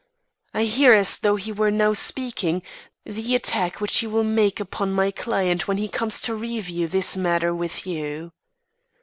I hear as though he were now speaking, the attack which he will make upon my client when he comes to review this matter with you.